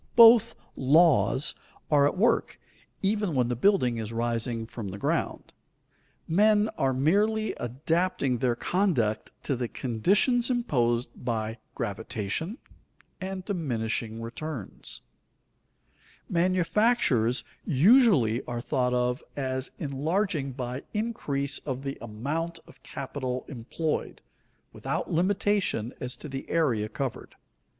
Both "laws" are at work, even when the building is rising from the ground. Men are merely adapting their conduct to the conditions imposed by gravitation and diminishing returns. [Sidenote: Confused with the question of large production] Manufactures usually are thought of as enlarging by increase of the amount of capital employed, without limitation as to the area covered.